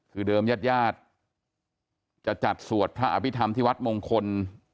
คือเดิมญาติญาติจะจัดสวดพระอภิษฐรรมที่วัดมงคล